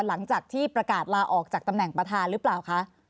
หลังจากที่ประกาศลาออกจากตำแหน่งประธานหรือเปล่าคะ